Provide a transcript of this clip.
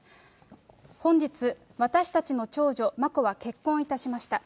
本日、私たちの長女、眞子は結婚いたしました。